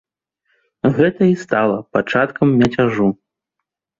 Гэта і стала пачаткам мяцяжу.